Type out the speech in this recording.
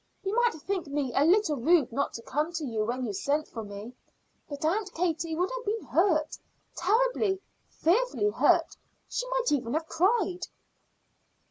You might think me a little rude not to come to you when you sent for me, but Aunt Katie would have been hurt terribly, fearfully hurt. She might even have cried."